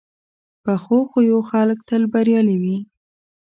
پخو خویو خلک تل بریالي وي